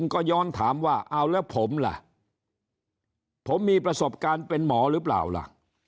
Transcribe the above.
ก็ย้อนถามว่าเอาแล้วผมล่ะผมมีประสบการณ์เป็นหมอหรือเปล่าล่ะ